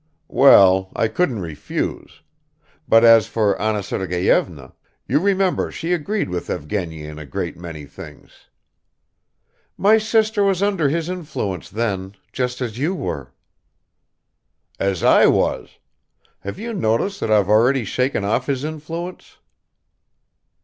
"Well, I couldn't refuse. But, as for Anna Sergeyevna, you remember she agreed with Evgeny in a great many things." "My sister was under his influence then, just as you were." "As I was! Have you noticed that I've already shaken off his influence?"